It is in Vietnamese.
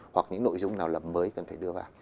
hoặc những nội dung nào là mới cần phải đưa vào